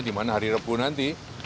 dimana hari repu nanti